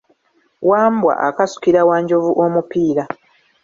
Wambwa akasukira Wanjovu omupiira.